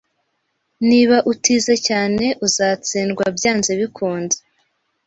Niba utize cyane, uzatsindwa byanze bikunze